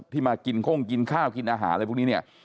ที่มากินโค้งกินข้าวกินอาหารอะไรพวกนี้